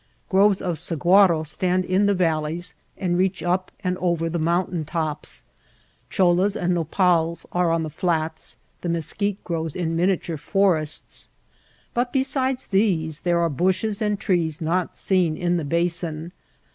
Groves of sahuaro stand in the valleys and reach up and over the mountain tops, chollas and nopals are on the flats; the mes quite grows in miniature forests. But besides these there are bushes and trees not seen in the basin.